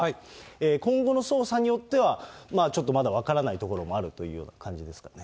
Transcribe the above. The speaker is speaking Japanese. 今後の捜査によっては、ちょっとまだ分からないところもあるという感じですかね。